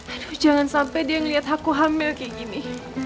aduh jangan sampai dia ngelihat aku hamil kayak gini